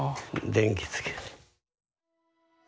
電気つけて。